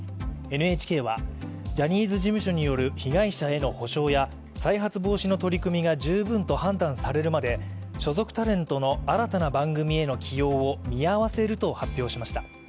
ＮＨＫは、ジャニーズ事務所による被害者への補償や再発防止の取り組みが十分と判断されるまで、所属タレントの新たな番組への起用を見合わせると発表しました。